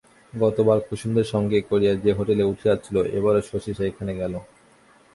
গতবার কুসুমদের সঙ্গে করিয়া যে হোটেলে উঠিয়াছিল এবারও শশী সেইখানে গেল।